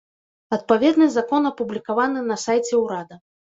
Адпаведны закон апублікаваны на сайце ўрада.